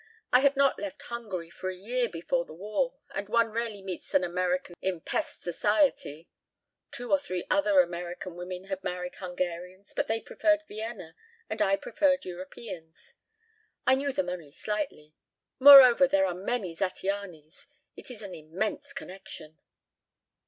I had not left Hungary for a year before the war, and one rarely meets an American in Pesth Society two or three other American women had married Hungarians, but they preferred Vienna and I preferred Europeans. I knew them only slightly. ... Moreover, there are many Zattianys. It is an immense connection."